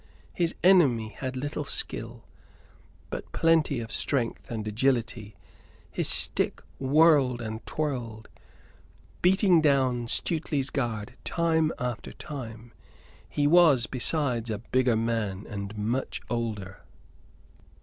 His enemy had little skill, but plenty of strength and agility; his stick whirled and twirled, beating down Stuteley's guard time after time. He was, besides, a bigger man and much older.